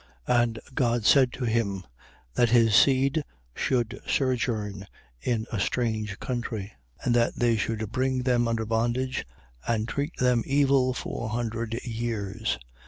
7:6. And God said to him: That his seed should sojourn in a strange country, and that they should bring them under bondage and treat them evil four hundred years.